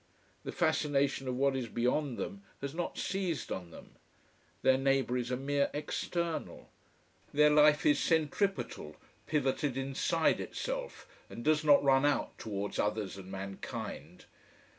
The fascination of what is beyond them has not seized on them. Their neighbour is a mere external. Their life is centripetal, pivoted inside itself, and does not run out towards others and mankind.